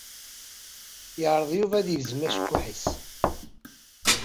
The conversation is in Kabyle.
Yeɛreḍ Yuba ad yegzem acekkuḥ-is.